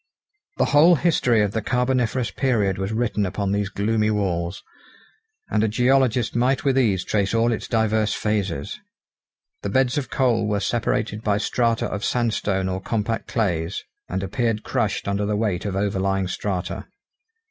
The whole history of the carboniferous period was written upon these gloomy walls, and a geologist might with ease trace all its diverse phases. The beds of coal were separated by strata of sandstone or compact clays, and appeared crushed under the weight of overlying strata.